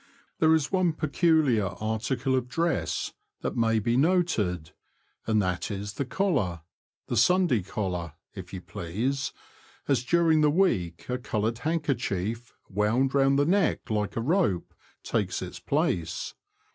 261 There is one peculiar article of dress that may be noted, and that is the collar — the Sunday collar, if you please, as during the week a coloured handker chief, wound round the neck like a rope, takes its place.